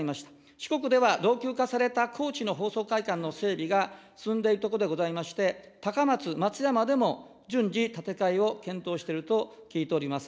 四国では、老朽化された高知の放送会館の整備が進んでいるところでございまして、高松、松山でも順次、建て替えを検討していると聞いております。